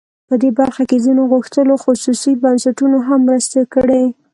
په دې برخه کې ځینو غښتلو خصوصي بنسټونو هم مرستې کړي.